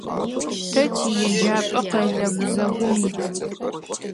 Тэ тиеджапӀэ къэлэ гузэгум ит.